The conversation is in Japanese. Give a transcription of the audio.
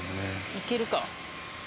いけるか？